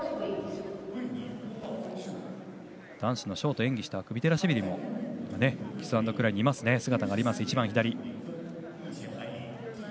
男子のショートで演技をしたクビテラシビリもキスアンドクライにいますね。